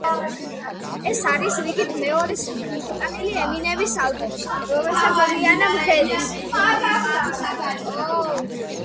ეს არის რიგით მეორე სიმღერა, შეტანილი ემინემის ალბომში, რომელშიც რიანა მღერის.